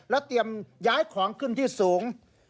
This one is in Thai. เตรียมย้ายของขึ้นที่สูง